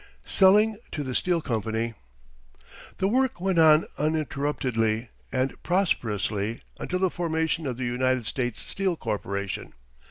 SELLING TO THE STEEL COMPANY The work went on uninterruptedly and prosperously until the formation of the United States Steel Corporation.